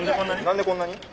何でこんなに？